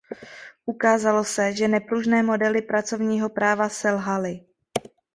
Ukázalo se, že nepružné modely pracovního práva selhaly.